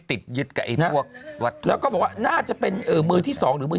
ติดยึดกับไอ้พวกแล้วก็บอกว่าน่าจะเป็นมือที่สองหรือมือ